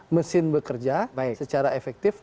mesin bekerja secara efektif